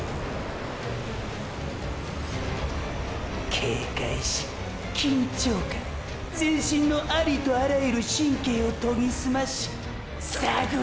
警戒心緊張感全身のありとあらゆる神経を研ぎ澄ましさぐる！！